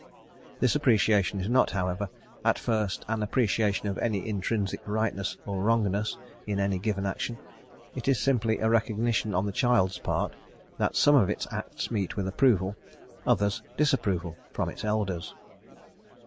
This appreciation is not, however, at first an appreciation of any intrinsic rightness or wrongness in any given action; it is simply a recognition on the child's part that some of its acts meet with approval, others with disapproval, from its elders.